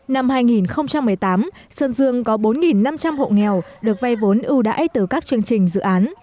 năm hai nghìn một mươi tám sơn dương có bốn năm trăm linh hộ nghèo được vay vốn ưu đãi từ các chương trình dự án